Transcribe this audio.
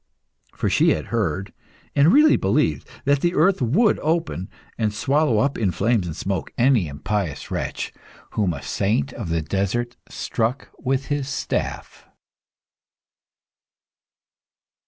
For she had heard, and really believed, that the earth would open and swallow up in flames and smoke any impious wretch whom a saint of the desert struck with his staff.